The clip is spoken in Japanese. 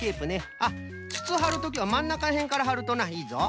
あっつつはるときはまんなかへんからはるとないいぞ。